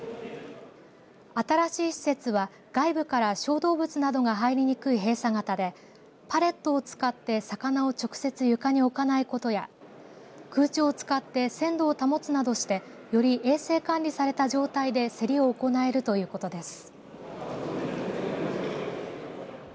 新しい施設は外部から小動物などが入りにくい閉鎖型でパレットを使って魚を直接床に置かないことや空調を使って鮮度を保つなどしてより衛生管理された状態で競りを行えるということです。